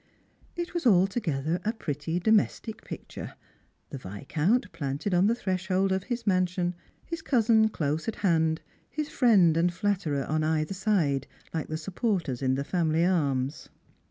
It was altogether a pi etty domestic picture — the Viscount planted on the threshold of his mansion, his cousin close at hand, his friend and flatterer on either side, like the supporters in the family arms.